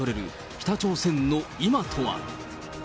北朝鮮の今とは。